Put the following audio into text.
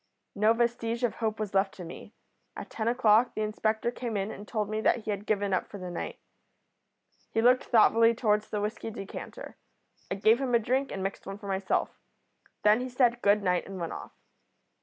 No vestige of hope was left to me. At ten o'clock the inspector came in and told me that he had given up for the night. He looked thoughtfully towards the whisky decanter. I gave him a drink and mixed one for myself. Then he said good night and went off.